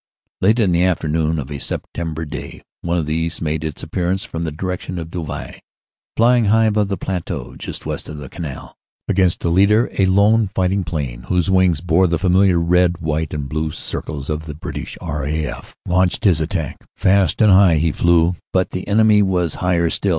Late in the afternoon of a September day one of these made its appearance from the direction of Douai, flying high above the plateau just west of the Canal. Against the leader a lone fighting plane, whose wings bore the familiar red, white and blue circles of the British R.A.F., launched his attack. Fast and high he flew, but the enemy was higher still.